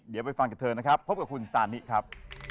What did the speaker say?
เดี๋ยวไปฟังกับเธอนะครับพบกับคุณซานิครับ